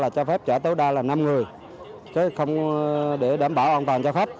chở phép trả tối đa là năm người không để đảm bảo an toàn cho khách